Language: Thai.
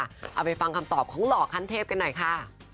เอาไปฟังคำตอบของหล่อขั้นเทพกันหน่อยค่ะ